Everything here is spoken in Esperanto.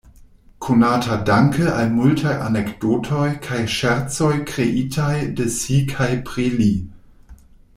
Konata danke al multaj anekdotoj kaj ŝercoj kreitaj de si kaj pri li.